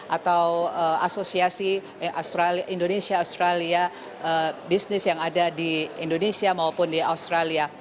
atau asosiasi indonesia australia bisnis yang ada di indonesia maupun di australia